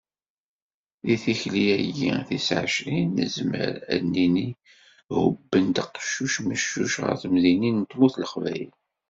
Deg tikli-agi tis ɛecrin, nezmer ad d-nini hubben-d qeccuc meccuc ɣer temdinin n tmurt n Leqbayel.